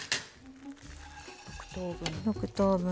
６等分。